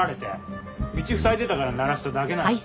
道ふさいでたから鳴らしただけなのに。